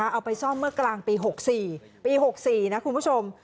เอาไปซ่อมเมื่อกลางปี๖๔ปี๖๔นะคุณผู้ชม